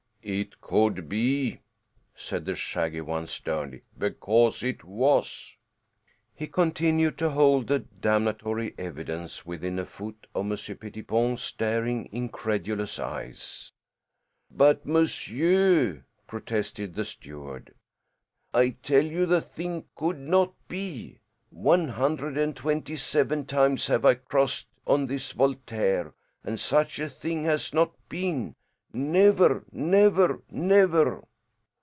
"It could be," said the shaggy one sternly, "because it was." He continued to hold the damnatory evidence within a foot of Monsieur Pettipon's staring incredulous eyes. "But, monsieur," protested the steward, "I tell you the thing could not be. One hundred and twenty seven times have I crossed on this Voltaire, and such a thing has not been. Never, never, never."